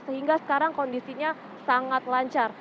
sehingga sekarang kondisinya sangat lancar